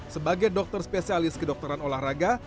sebagai dokter spesialis kedokteran olahraga